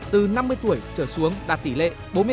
từ năm mươi tuổi trở xuống đạt tỷ lệ bốn mươi ba tám